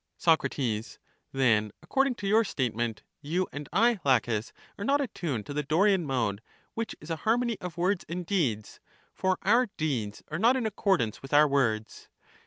Soc, Then according to your statement, you and I, Laches, are not attuned to the Dorian mode, which is a harmony of words and deeds; for our deeds are not in accordance with our words.